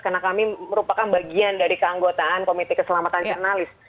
karena kami merupakan bagian dari keanggotaan komite keselamatan jurnalis